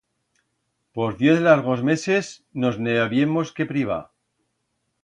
Por diez largos meses nos ne habiemos que privar.